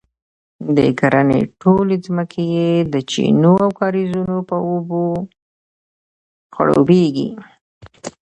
د کرنې ټولې ځمکې یې د چینو او کاریزونو په اوبو خړوبیږي،